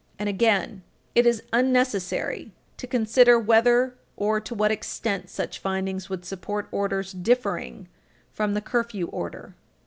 And again: "It is unnecessary to consider whether or to what extent such findings would support orders differing from the curfew order."